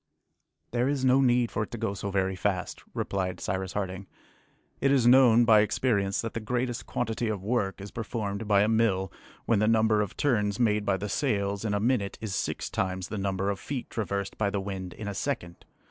"There is no need for it to go so very fast," replied Cyrus Harding. "It is known by experience that the greatest quantity of work is performed by a mill when the number of turns made by the sails in a minute is six times the number of feet traversed by the wind in a second.